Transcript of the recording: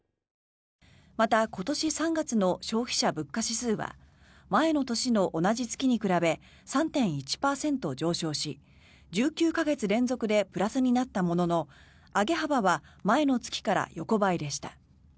また、今年３月の消費者物価指数は前の年の同じ月に比べ３．１％上昇し１９か月連続でプラスになったものの上げ幅は前の月から横ばいでした。